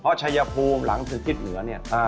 เพราะชัยภูมิหลังสุดทิศเหนือเนี่ย